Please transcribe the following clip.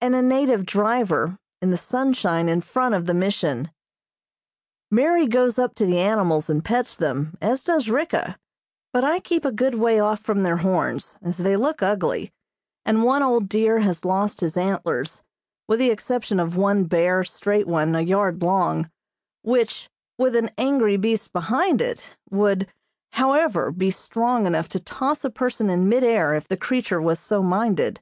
and a native driver in the sunshine in front of the Mission. Mary goes up to the animals and pets them, as does Ricka, but I keep a good way off from their horns, as they look ugly, and one old deer has lost his antlers, with the exception of one bare, straight one a yard long, which, with an angry beast behind it, would, however, be strong enough to toss a person in mid air if the creature was so minded.